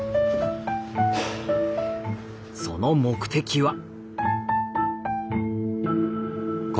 その目的は。